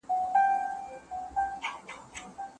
روحي غذا د ټولنې اخلاق او کلتور ساتي.